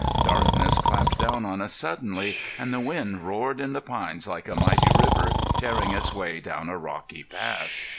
Darkness clapped down on us suddenly, and the wind roared in the pines like a mighty river tearing its way down a rocky pass.